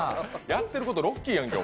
やってることロッキーやんけ。